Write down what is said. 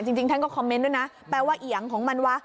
จริงท่านก็คอมเมนต์ด้วยนะแปลว่าเอียงของมันวะ